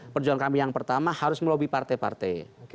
perjuangan kami yang pertama harus melobi partai partai